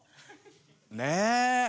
ねえ。